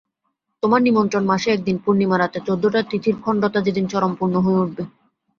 তোমার নিমন্ত্রণ মাসে একদিন, পূর্ণিমার রাতে–চোদ্দটা তিথির খণ্ডতা যেদিন চরম পূর্ণ হয়ে উঠবে।